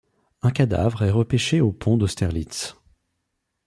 Un cadavre est repêché au pont d’Austerlitz.